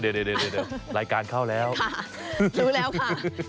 รายการเข้าแล้วค่ะรู้แล้วค่ะ